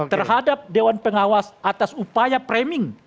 terhadap dewan pengawas atas upaya preming